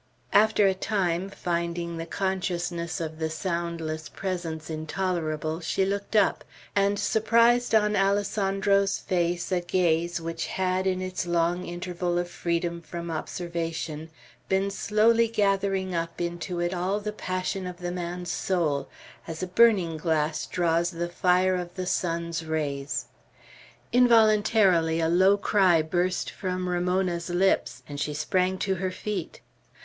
After a time, finding the consciousness of the soundless presence intolerable, she looked up, and surprised on Alessandro's face a gaze which had, in its long interval of freedom from observation, been slowly gathering up into it all the passion of the man's soul, as a burning glass draws the fire of the sun's rays. Involuntarily a low cry burst from Ramona's lips, and she sprang to her feet.